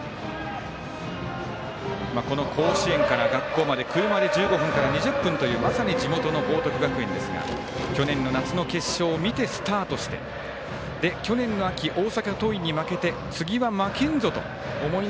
この甲子園から学校まで車で１５分から２０分というまさに地元の報徳学園ですが去年の夏の決勝を見てスタートして去年の秋、大阪桐蔭に負けて次は負けんぞと思い